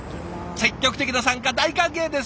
積極的な参加大歓迎です。